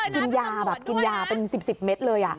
กินยาแบบกินยาเป็น๑๐เมตรเลย